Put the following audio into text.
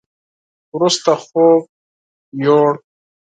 وروسته خوب يوووړ.